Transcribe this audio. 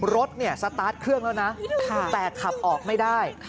รถเนี่ยสตาร์ทเครื่องแล้วนะแต่ขับออกไม่ได้